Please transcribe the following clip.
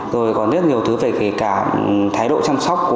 rồi còn rất nhiều thứ về cái cả thái độ chăm sóc của